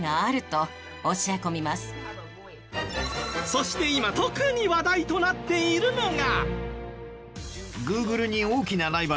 そして今特に話題となっているのが。